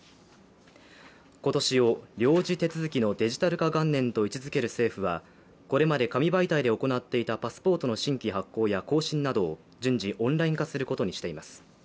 今年を領事手続きのデジタル化元年と位置づける政府はこれまで紙媒体で行っていたパスポートの新規発行や更新などを順次、オンライン化することにしています。